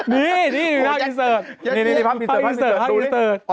นี่งีทะทีเสิร์ช